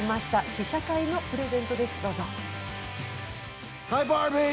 試写会のプレゼントです、どうぞ。